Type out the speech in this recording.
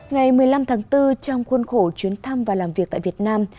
ngày một mươi năm tháng bốn trong khuôn khổ chuyến thăm và làm việc tại việt nam